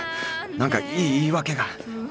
何かいい言い訳が